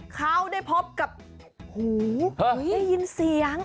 เขาได้พบกับหูได้ยินเสียง